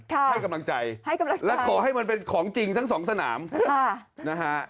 ค่ะให้กำลังใจและขอให้มันเป็นของจริงทั้งสองสนามนะฮะค่ะ